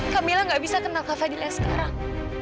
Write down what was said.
kak mila gak bisa kenal kak fadil yang sekarang